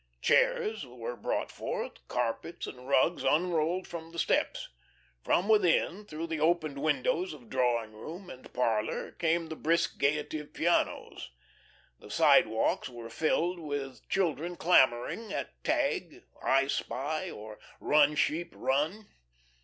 Chairs were brought forth, carpets and rugs unrolled upon the steps. From within, through the opened windows of drawing room and parlour, came the brisk gaiety of pianos. The sidewalks were filled with children clamouring at "tag," "I spy," or "run sheep run."